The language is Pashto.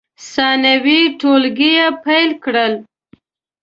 ثانوي ټولګي پیل کړل.